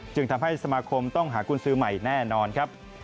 จึงทำให้สมาคมต้องหากุญสือใหม่แน่นอนครับ